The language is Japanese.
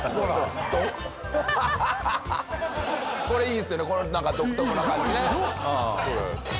これ。